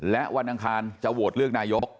และวันอังคารจะโหวตเลือกนายก